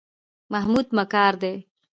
محمود مکار دی.